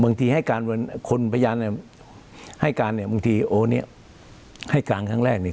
ให้การคนพยานให้การเนี่ยบางทีโอเนี่ยให้การครั้งแรกเนี่ย